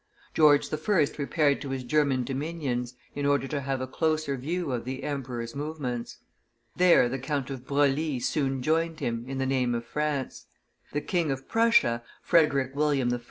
George I. repaired to his German dominions, in order to have a closer view of the emperor's movements. There the Count of Broglie soon joined him, in the name of France. The King of Prussia, Frederick William I.